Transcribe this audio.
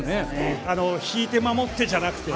引いて守ってじゃなくて。